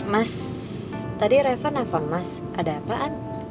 mas tadi reva nelfon mas ada apaan